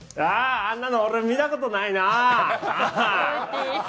あんなの俺見たことないなぁアハ。